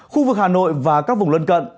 khu vực hà nội và các vùng lân cận